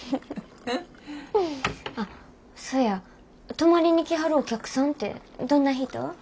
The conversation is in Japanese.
あっそや泊まりに来はるお客さんてどんな人？